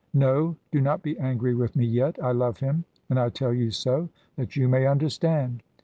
No do not be angry with me yet I love him and I tell you so that you may understand."